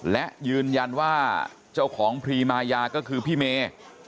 และยืนยันว่าเจ้าของพรีมายาก็คือพี่เมย์